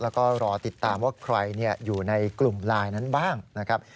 แล้วก็รอติดตามว่าใครอยู่ในกลุ่มไลน์นั้นบ้างนะครับ